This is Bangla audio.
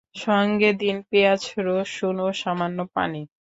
সঙ্গে দিন পেঁয়াজ-রসুন ও সামান্য পানি।